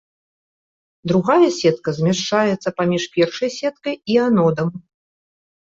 Другая сетка змяшчаецца паміж першай сеткай і анодам.